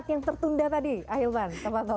empat yang tertunda tadi ahilman